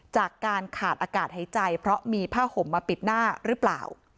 จากการขาดอากาศหายใจเพราะมีผ้าห่มมาปิดหน้าหรือเปล่า